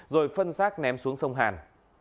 rồi phân xác ném xuống sông hàn